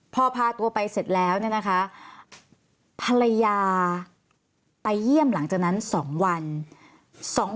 พอพาตัวไปเสร็จแล้วเนี่ยนะคะภรรยาไปเยี่ยมหลังจากนั้น๒วัน